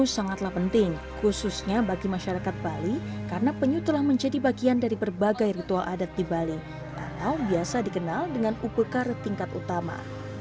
sangatlah penting khususnya bagi masyarakat bali karena penyu telah menjadi bagian dari berbagai ritual adat di bali atau biasa dikenal dengan ukulkar tingkat utama